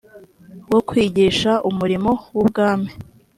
wo kwigisha umurimo w ubwami